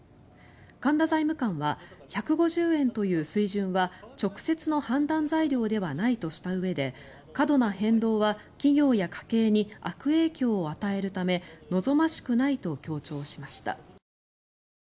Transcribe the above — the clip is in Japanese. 神田財務官は１５０円という水準は直接の判断材料ではないとしたうえで過度な変動は企業や家計に悪影響を与えるため望ましくないと強調しました。